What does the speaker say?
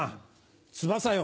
翼よ！